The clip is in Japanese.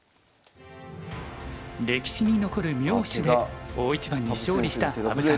歴史に残る妙手で大一番に勝利した羽生さん。